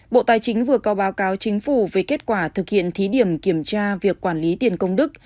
bộ tài chính vừa có báo cáo chính phủ về kết quả thực hiện thí điểm kiểm tra việc quản lý tiền công đức